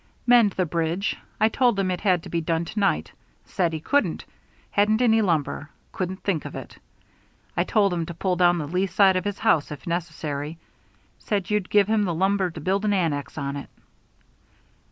"Mend the bridge. I told him it had to be done to night. Said he couldn't. Hadn't any lumber. Couldn't think of it I told him to pull down the lee side of his house if necessary; said you'd give him the lumber to build an annex on it."